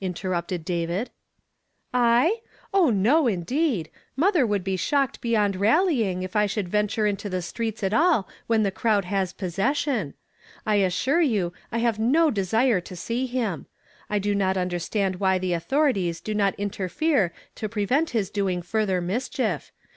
mterrupted David. " I ? Oil, no, indeed ! Motlier wouhl ha shocked beyond rallying if I should venture into the streets at all when the crowd has possession. I assure you, I have no desire to see him. I do not under stand why the authorities do not interfere to pre vent his doing further mischief.